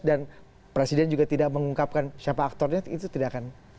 dan presiden juga tidak mengungkapkan siapa aktornya itu tidak akan